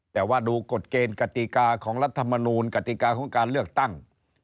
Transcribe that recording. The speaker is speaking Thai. แต่ว่าดูกฎเกณฑ์กติกาของรัฐมนูลกติกาของการเลือกตั้ง